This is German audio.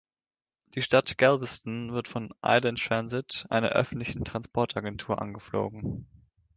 Die Stadt Galveston wird von Island Transit, einer öffentlichen Transportagentur angeflogen.